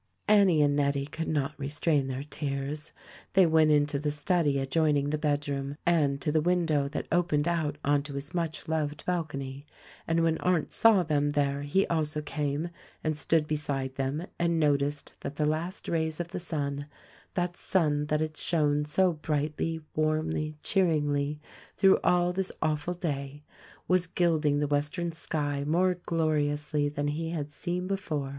Annie and Nettie could not restrain their tears. They went into the study adjoining the bedroom, and to the win dow that opened out on to his much loved balcony ; and when Arndt saw them there he also came and stood beside them and noticed that the last rays of the sun — that sun that had shown so brightly, warmly, cheeringly, through all this awful day — was gilding the western sky more gloriously than he had seen before.